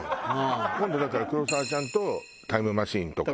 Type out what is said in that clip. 今度だから黒沢ちゃんとタイムマシーンとか。